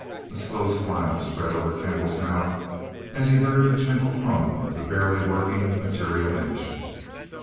A slow smile spread over Kendall's mouth as he heard the gentle hum of the barely working material engine.